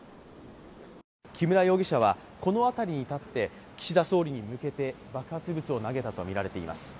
木村容疑者はこの辺りに立って岸田総理に向けて爆発物を投げたとみられています。